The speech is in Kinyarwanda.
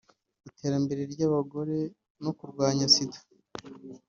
iterambere ry’abagore no kurwanya Sida